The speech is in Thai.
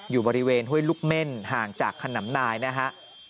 อยู่บริเวณห้วยลูกเม่นห่างจากขนำนายนะฮะ